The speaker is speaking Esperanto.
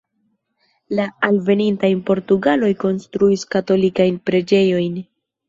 La alvenintaj portugaloj konstruis katolikajn preĝejojn.